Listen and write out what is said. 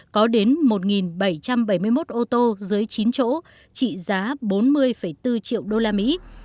có đến một bảy trăm bảy mươi một ô tô dưới chín chỗ trị giá bốn mươi bốn triệu usd